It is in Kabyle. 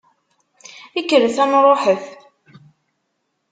Kkret, ad nṛuḥet!